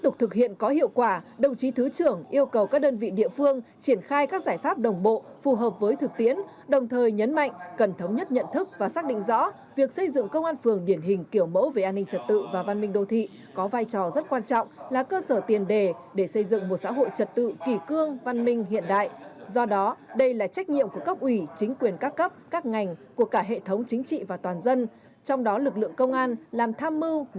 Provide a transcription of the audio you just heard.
trong đó đã lựa chọn được một mươi ba công an phường để triển khai xây dựng công an phường điển hình kiểu mẫu về an ninh trật tự và văn minh đô thị trong năm hai nghìn hai mươi ba và lộ trình từ năm hai nghìn ba mươi